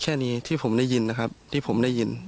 แค่นี้ที่ผมได้ยินนะครับที่ผมได้ยิน